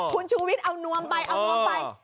คุณชูวิทย์เอานวมไปเอานวมไป